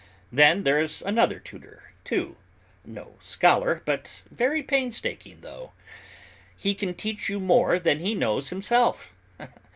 Then there's another tutor, too, no scholar, but very painstaking, though; he can teach you more than he knows himself.